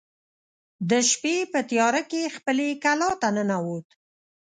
د شپې په تیاره کې خپلې کلا ته ننوت.